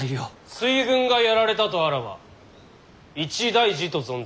水軍がやられたとあらば一大事と存ずるが。